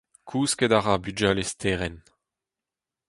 Kousket a ra bugale Sterenn.